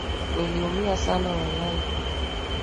Niliumia sana walai.